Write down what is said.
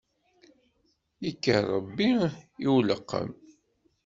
Yekker rebbi i uleqqem.